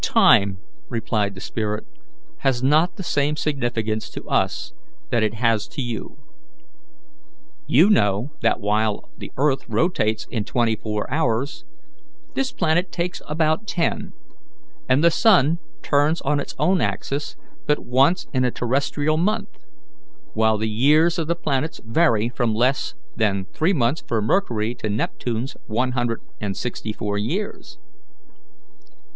"Time, replied the spirit, "has not the same significance to us that it has to you. You know that while the earth rotates in twenty four hours, this planet takes but about ten; and the sun turns on its own axis but once in a terrestrial month; while the years of the planets vary from less than three months for Mercury to Neptune's one hundred and sixty four years.